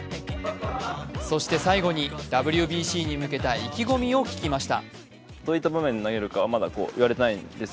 そして最後にＷＢＣに向けた意気込みを聞きました。